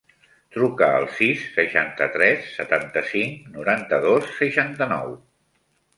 Truca al sis, seixanta-tres, setanta-cinc, noranta-dos, seixanta-nou.